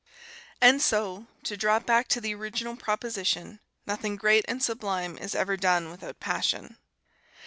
And so, to drop back to the original proposition, nothing great and sublime is ever done without passion.